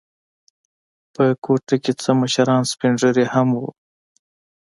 په کوټه کې څه مشران سپین ږیري هم و.